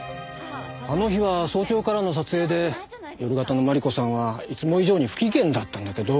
あの日は早朝からの撮影で夜型の万里子さんはいつも以上に不機嫌だったんだけど。